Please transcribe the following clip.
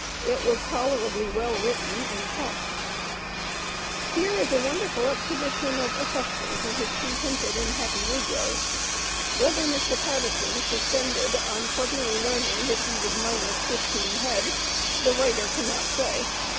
It was tolerably well written and prompt. Here is a wonderful exhibition of affection for his contented and happy negroes. Whether Mr. Pattison suspended on suddenly learning that he was minus fifteen head, the writer cannot say.